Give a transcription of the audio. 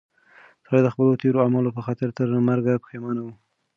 سړی د خپلو تېرو اعمالو په خاطر تر مرګ پښېمانه و.